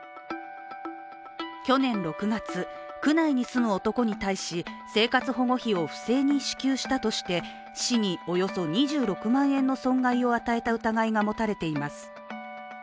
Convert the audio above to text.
去年６月、区内に住む男に対し生活保護費を不正に支給したとして市におよそ２６万円の損害を与えた疑いが持たれています。